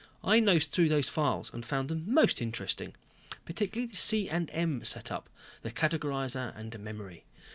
I nosed through the files and found them most interesting. Particularly the C & M setup the Categorizer and Memory.